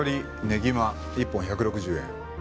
ねぎま１本１６０円。